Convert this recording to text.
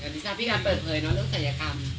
พี่การณ์เปิดเผยเนอะเรื่องศัยกรรม